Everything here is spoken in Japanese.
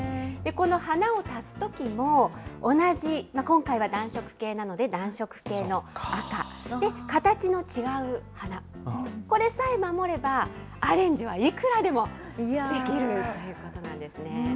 この花を足すときも、同じ、今回は暖色系なので、暖色系の赤、形の違う花、これさえ守れば、アレンジはいくらでもできるということなんですね。